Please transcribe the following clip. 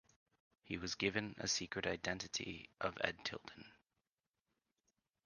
He was given a secret identity of Ed Tilden.